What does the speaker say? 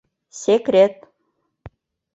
СЕКРЕТ